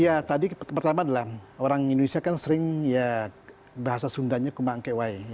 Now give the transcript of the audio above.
ya tadi pertama adalah orang indonesia kan sering ya bahasa sundanya kumangkewai